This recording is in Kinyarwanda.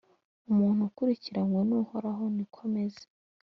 umuntu ukurikiranywe n’Uhoraho, ni ko ameze,